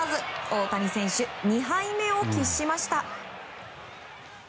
大谷選手、２敗目を喫しました。